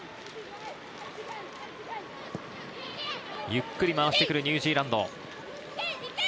ゆっくり回してくるニュージーランド。